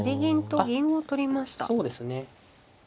あっそうですね。